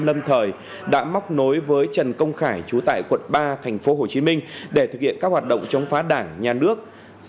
lâm thời đã móc nối với trần công khải trú tại quận ba tp hcm để thực hiện các hoạt động chống phá đảng nhà nước